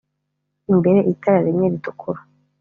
imbere itara rimwe ritukura